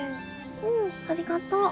うんありがとう。